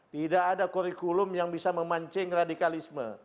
tidak ada kurikulum yang bisa memancing radikalisme